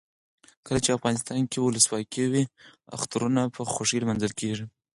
کله چې افغانستان کې ولسواکي وي اخترونه په خوښۍ لمانځل کیږي.